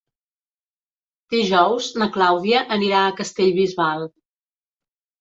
Dijous na Clàudia anirà a Castellbisbal.